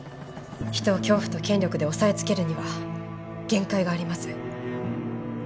人を恐怖と権力で押さえつけるには限界があります。